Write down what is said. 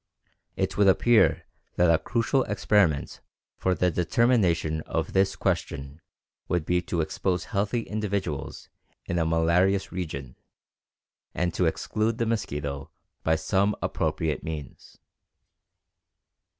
It would appear that a crucial experiment for the determination of this question would be to expose healthy individuals in a malarious region and to exclude the mosquito by some appropriate means.